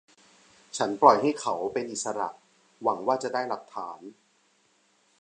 ฉันปล่อยให้เขาเป็นอิสระหวังว่าจะได้หลักฐาน